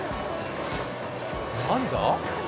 何だ？